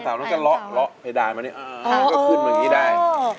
สาวต้องจะเลาะให้ได้มานี่อ๋อก็ขึ้นแบบนี้ได้